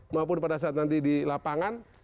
maupun pada saat nanti di lapangan